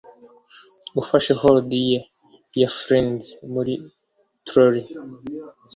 ufashe horde ye ya fiends muri trall,